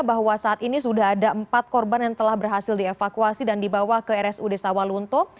bahwa saat ini sudah ada empat korban yang telah berhasil dievakuasi dan dibawa ke rsud sawalunto